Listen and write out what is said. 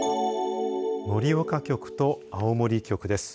盛岡局と青森局です。